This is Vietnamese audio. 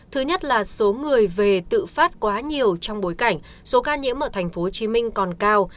thứ nhất là số người về tự phát quá nhiều trong bối cảnh số ca nhiễm ở thành phố hồ chí minh còn cao